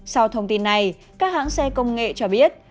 sau thông tin này các hãng xe công nghệ cho biết